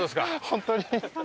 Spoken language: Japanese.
本当に。